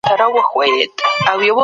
غیرت د ناموس د ساهمېشهو لپاره یو ډال دی.